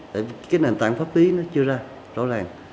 tại vì cái nền tảng pháp lý nó chưa ra rõ ràng